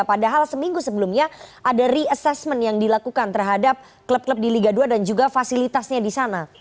padahal seminggu sebelumnya ada re assessment yang dilakukan terhadap klub klub di liga dua dan juga fasilitasnya di sana